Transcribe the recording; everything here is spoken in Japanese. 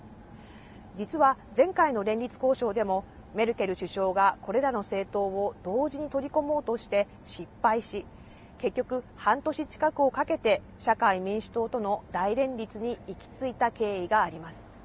実は前回の連立交渉でもメルケル首相がこれらの政党を同時に取り込もうとして失敗し、結局、半年近くをかけて社会民主党との大連立に行き着いた経緯があります。